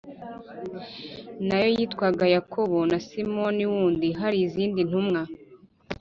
na yo yitwaga Yakobo na Simoni wundi Hari izindi ntumwa